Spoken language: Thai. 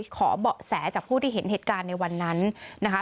เบาะแสจากผู้ที่เห็นเหตุการณ์ในวันนั้นนะคะ